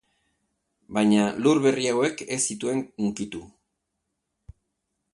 Baina, lur berri hauek ez zituen hunkitu.